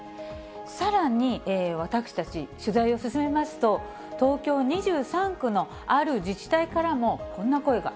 さらに私たち、取材を進めますと、東京２３区のある自治体からもこんな声が。